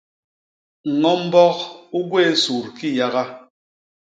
Ño mbok u gwéé sut kiyaga.